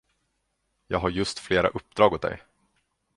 Jag har just flera uppdrag åt dig.